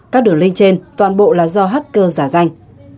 các đường linh trên toàn bộ là do hacker giả danh